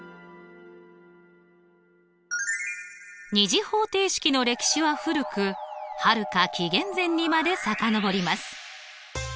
２次方程式の歴史は古くはるか紀元前にまでさかのぼります。